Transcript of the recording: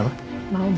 mau bicara sama kamu